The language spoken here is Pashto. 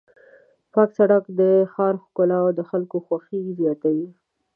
پاک سړکونه د ښار ښکلا او د خلکو خوښي زیاتوي.